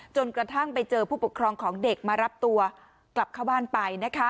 จนกระทั่งไปเจอผู้ปกครองของเด็กมารับตัวกลับเข้าบ้านไป